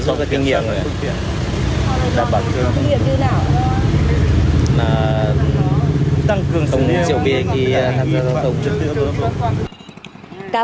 sau cái kinh nghiệm đặc biệt là tăng cường xử lý nghiêm khi tham gia giao thông trật tự